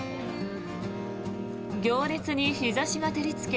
行列に日差しが照りつけ